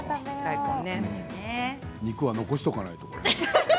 肉は残しておかないと。